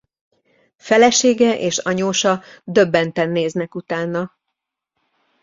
Felesége és anyósa döbbenten néznek utána.